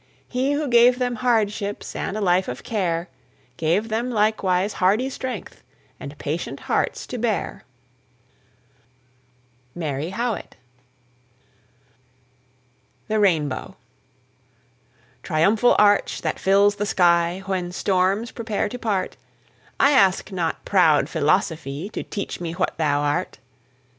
He who gave them hardships And a life of care, Gave them likewise hardy strength And patient hearts to bear. MARY HOWITT. THE RAINBOW. Triumphal arch, that fills the sky When storms prepare to part, I ask not proud Philosophy To teach me what thou art.